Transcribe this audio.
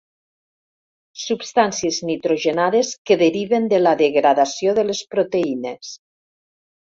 Substàncies nitrogenades que deriven de la degradació de les proteïnes.